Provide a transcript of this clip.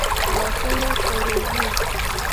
لاسونه سړې وي